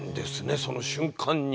その瞬間に。